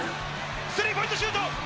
スリーポイントシュート。